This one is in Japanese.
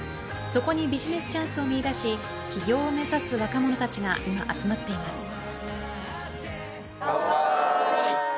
そこにビジネスチャンスを見いだし、起業を目指す若者たちが今、集まっています。